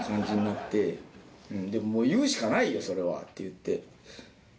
「でも言うしかないよそれは」って言って。